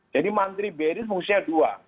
jadi mantri bri fungsinya dua